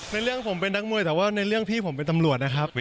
ในเรื่องผมเป็นนักมวยแต่ว่าในเรื่องพี่ผมเป็นตำรวจนะครับ